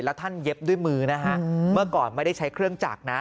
แล้วท่านเย็บด้วยมือนะฮะเมื่อก่อนไม่ได้ใช้เครื่องจักรนะ